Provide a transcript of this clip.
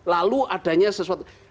lalu adanya sesuatu